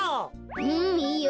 うんいいよ。